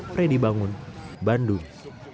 freddy bangun bandung